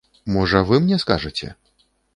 Можа, вы мне скажаце?